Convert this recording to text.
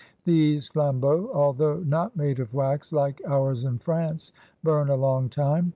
These flam beaux, although not made of wax, like ours in France, burn a long time.